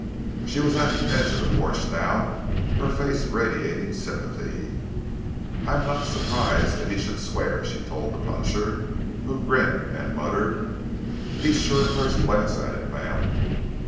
She was at the edge of the porch now, her face radiating sympathy. "I am not surprised that he should swear!" she told the puncher, who grinned and muttered: "He's sure first class at it, ma'am."